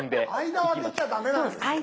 間を空けちゃダメなんですね。